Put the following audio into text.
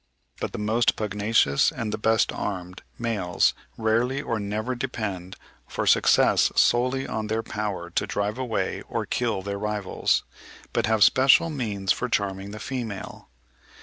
But the most pugnacious and the best armed males rarely or never depend for success solely on their power to drive away or kill their rivals, but have special means for charming the female.